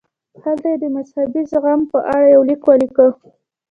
هلته یې د مذهبي زغم په اړه یو لیک ولیکه.